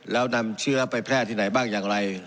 แล้วนำเชื้อไปแพร่ที่ไหนบ้างอย่างไร